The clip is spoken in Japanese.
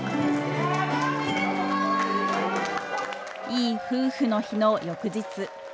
いい夫婦の日の翌日。